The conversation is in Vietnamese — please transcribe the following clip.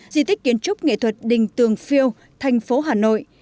di tích kiến trúc nghệ thuật đình tường phiêu thành phố hà nội